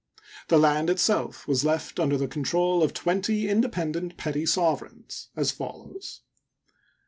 The land itself was left under the control of twenty independent petty sovereigns, as follows : 1.